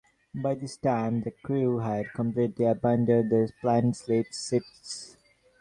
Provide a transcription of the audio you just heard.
By this time, the crew had completely abandoned the planned sleep shifts.